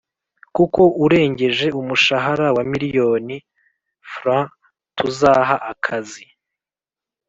kuko urengeje umushahara wa miliyoni frw tuzaha akazi